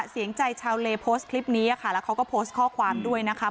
เสียงใจชาวเลโพสต์คลิปนี้ค่ะแล้วเขาก็โพสต์ข้อความด้วยนะคะ